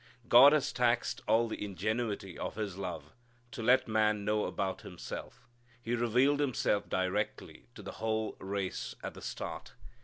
God has taxed all the ingenuity of His love to let man know about Himself. He revealed Himself directly to the whole race at the start.